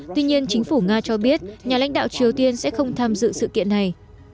tuy nhiên chính phủ nga cho biết nhà lãnh đạo triều tiên sẽ không tham dự sự kiện này